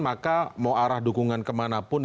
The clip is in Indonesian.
maka mau arah dukungan kemana pun